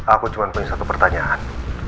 aku cuma punya satu pertanyaan